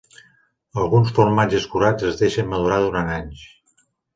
Alguns formatges curats es deixen madurar durant anys.